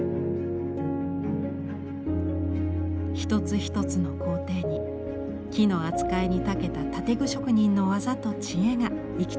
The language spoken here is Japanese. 一つ一つの工程に木の扱いに長けた建具職人の技と知恵が生きています。